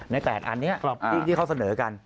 ๘อันนี้ที่เขาเสนอกัน